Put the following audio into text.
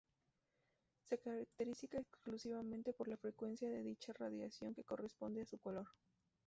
Se caracteriza exclusivamente por la frecuencia de dicha radiación que corresponde a su color.